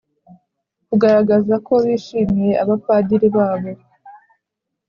kugaragaza ko bishimiye abapadiri babo